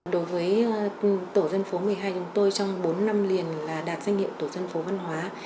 đối với tổ dân phố một mươi hai chúng tôi trong bốn năm liền là đạt danh hiệu tổ dân phố văn hóa